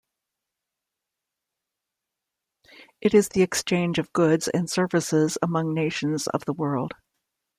It is the exchange of goods and services among nations of the world.